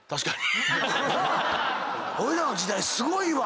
おいらの時代すごいわ！